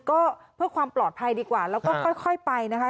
ก็เพื่อความปลอดภัยดีกว่าแล้วก็ค่อยไปนะคะ